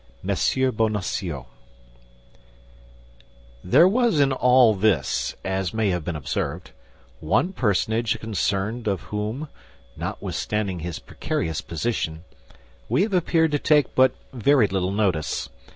MONSIEUR BONACIEUX There was in all this, as may have been observed, one personage concerned, of whom, notwithstanding his precarious position, we have appeared to take but very little notice.